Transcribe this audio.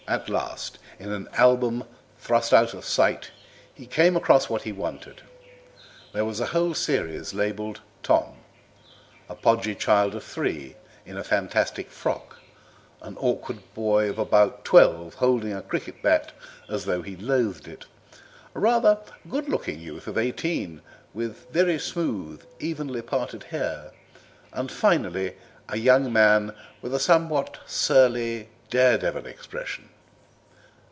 At last, in an album thrust out of sight, he came across what he wanted. There was a whole series, labelled "Tom," a podgy child of three, in a fantastic frock, an awkward boy of about twelve, holding a cricket bat as though he loathed it, a rather good looking youth of eighteen with very smooth, evenly parted hair, and, finally, a young man with a somewhat surly dare devil expression.